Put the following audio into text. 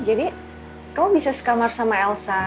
jadi kamu bisa sekamar sama elsa